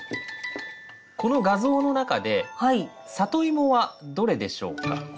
この画像の中でサトイモはどれでしょうか？